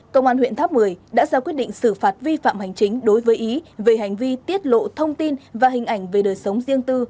công an huyện tháp một mươi đã ra quyết định xử phạt vi phạm hành chính đối với ý về hành vi tiết lộ thông tin và hình ảnh về đời sống riêng tư